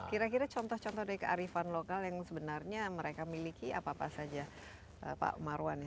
kira kira contoh contoh dari kearifan lokal yang sebenarnya mereka miliki apa apa saja pak marwan